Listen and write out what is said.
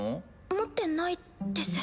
持ってないです。